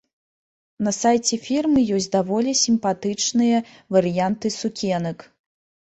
На сайце фірмы ёсць даволі сімпатычныя варыянты сукенак.